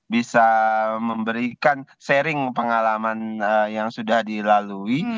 bisa memberikan sharing pengalaman yang sudah dilalui